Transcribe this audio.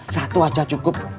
satu aja cukup